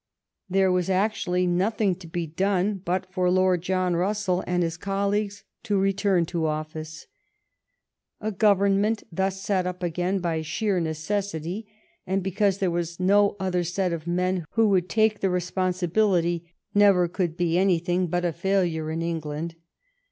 There was actu ally nothing to be done but for Lord John Russell and his colleagues to return to office. A Govern ment thus set up again by sheer necessity, and be cause there was no other set of men who would take the responsibility, never could be anything but a failure in England.